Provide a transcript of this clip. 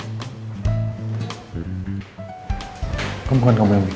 loh nanti kalau aku yang bikin aku yang bikin